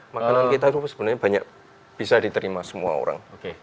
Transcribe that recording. makanan kita itu sebenarnya banyak bisa diterima semua orang